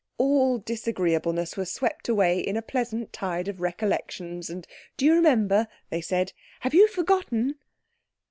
All disagreeableness was swept away in a pleasant tide of recollections, and "Do you remember...?" they said. "Have you forgotten...?"